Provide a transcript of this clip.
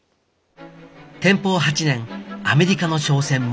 天保８年アメリカの商船